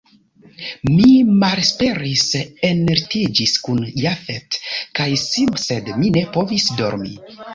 Mi malesperis, enlitiĝis kun Jafet kaj Sim, sed mi ne povis dormi.